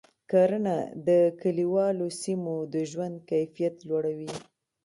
کرنه د کلیوالو سیمو د ژوند کیفیت لوړوي.